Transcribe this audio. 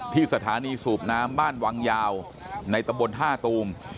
ที่สถานีสูบน้ำบ้านวังยาวในตำบลท่าตูม